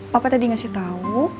papa tadi ngasih tahu